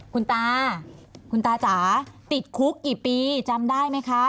คุณตาคุณตาจ๋าติดคุกกี่ปีจำได้ไหมคะ